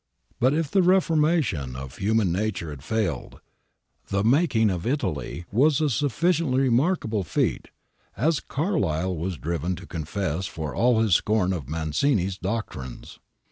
But if the reformation of human nature had failed, the making of Italy was a sufficiently remarkable feat, as Carlyle was driven to confess for all his scorn of Mazzini's doctrines.